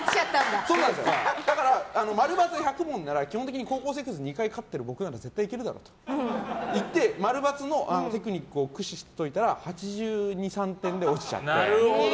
○×１００問なら基本的に「高校生クイズ」２回勝ってる僕なら絶対行けるだろうと行って○×のテクニックを駆使して受けたら８２８３点で落ちちゃって。